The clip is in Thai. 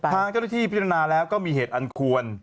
ทางเจ้าหน้าที่พิจารณาแล้วก็มีเหตุอันควร